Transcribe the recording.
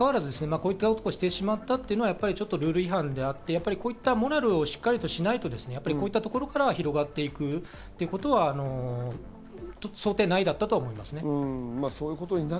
こういったことをしてしまったというのはルール違反であって、モラルをしっかりしないと、こういったところから広がっていくということは想定内だったと思います。